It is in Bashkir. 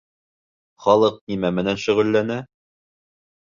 — Халыҡ нимә менән шөғөлләнә?